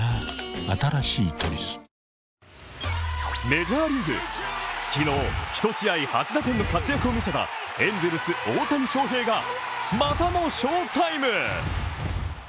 メジャーリーグ、昨日１試合８打点の活躍を見せたエンゼルス・大谷翔平がまた翔タイム。